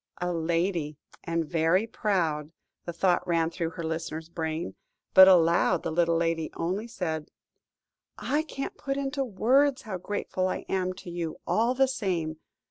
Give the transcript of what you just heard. "A lady and very proud," the thought ran through her listener's brain; but aloud the little lady only said: "I can't put into words how grateful I am to you, all the same.